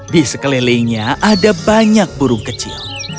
di sekelilingnya ada banyak burung kecil